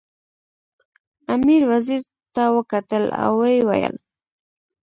امیر وزیر ته وکتل او ویې ویل.